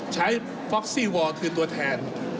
ใช้ฟ็อกซี่วอลคือตัวแทน